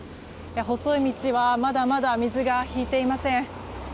細い道はまだまだ水が引いていません。